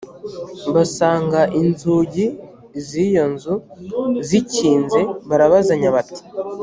basanga inzugi z iyo nzu zikinze barabazanya bati